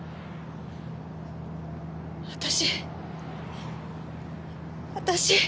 私私。